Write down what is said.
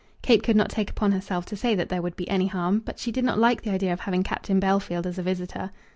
Kate could not take upon herself to say that there would be any harm, but she did not like the idea of having Captain Bellfield as a visitor.